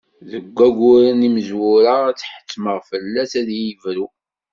Deg wagguren imezwura ad ḥettmeɣ fell-as ad iyi-yebru.